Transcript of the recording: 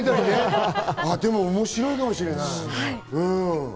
面白いかもしれない。